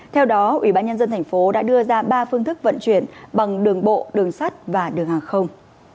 theo đó ủy ban nhân dân tp hcm đã đưa ra ba phương thức vận chuyển bằng đường bộ đường sắt và đường hàng không